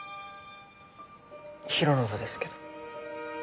弘信ですけど。